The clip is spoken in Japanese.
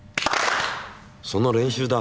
その練習だ。